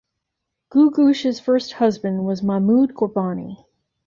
Googoosh's first husband was Mahmoud Ghorbani.